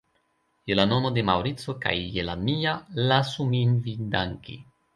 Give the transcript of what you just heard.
Je la nomo de Maŭrico kaj je la mia, lasu min vin danki.